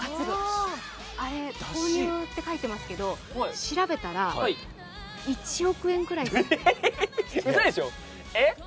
あれ、購入って書いていますけど、調べたら１億円くらいかかるそうです。